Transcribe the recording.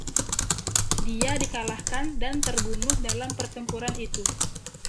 Dia dikalahkan dan terbunuh dalam pertempuran itu.